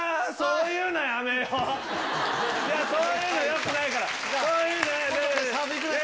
いや、そういうの、よくないから。